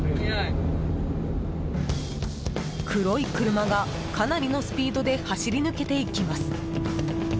黒い車がかなりのスピードで走り抜けていきます。